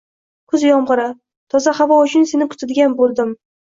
Kuz yomg‘iri, toza havo uchun seni kutadigan bo‘ldim...ng